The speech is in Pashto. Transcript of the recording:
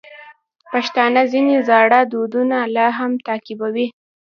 پښتانه ځینې زاړه دودونه لا هم تعقیبوي.